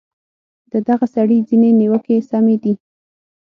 د دغه سړي ځینې نیوکې سمې دي.